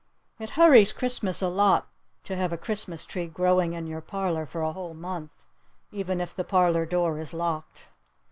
It hurries Christmas a lot to have a Christmas tree growing in your parlor for a whole month. Even if the parlor door is locked.